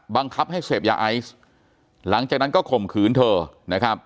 บังคับให้เสพยาไอซ์หลังจากนั้นก็ข่มขืนเธอนะครับ